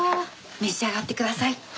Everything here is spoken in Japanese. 召し上がってください。